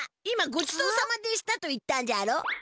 今「ごちそうさまでした」と言ったんじゃろ？